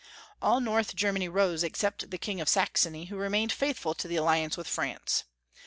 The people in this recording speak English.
All North Germany rose except the King of Sax ony, who remained faithful to the alliance with France.